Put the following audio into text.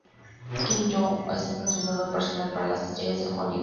Kim Young Ho es un entrenador personal para las estrellas de Hollywood.